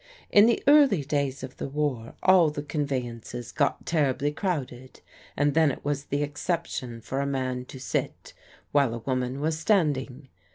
" In the early days of the war all the conveyances got terribly crowded and then it was the exception for a man to sit while a woman was standing.